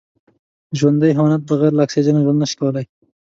ژوندي حیوانات بغیر له اکسېجنه ژوند نشي کولای